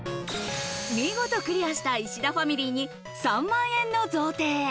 見事クリアした石田ファミリーに３万円の想定。